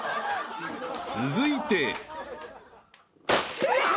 ［続いて］あ！